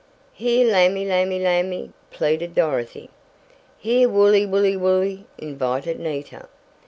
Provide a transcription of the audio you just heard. "Here, lamby, lamby, lamby!" pleaded Dorothy. "Here, woolly, woolly, woolly!" invited Nita.